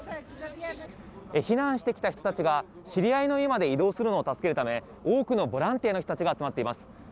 避難してきた人たちが、知り合いの家まで移動するのを助けるため、多くのボランティアの人たちが集まっています。